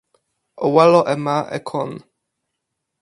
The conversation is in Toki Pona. o walo e ma e kon.